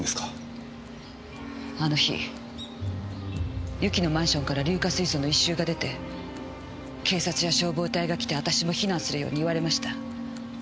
あの日由紀のマンションから硫化水素の異臭が出て警察や消防隊が来て私も避難するように言われました。